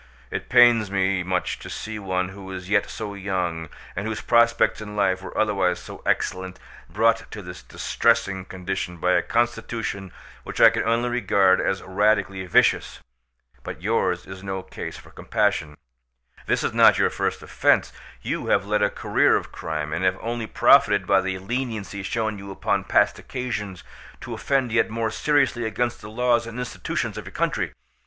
It pains me much to see one who is yet so young, and whose prospects in life were otherwise so excellent, brought to this distressing condition by a constitution which I can only regard as radically vicious; but yours is no case for compassion: this is not your first offence: you have led a career of crime, and have only profited by the leniency shown you upon past occasions, to offend yet more seriously against the laws and institutions of your country.